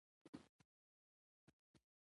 ملالۍ کولای سوای چې توره واخلي.